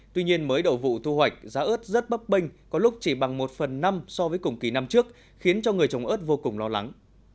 tuy nhiên mới đầu vụ thu hoạch giá ớt rất bấp bênh có lúc chỉ bằng một phần năm so với cùng kỳ năm trước khiến cho người trồng ớt vô cùng lo lắng